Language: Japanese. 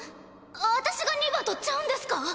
私が２番とちゃうんですか？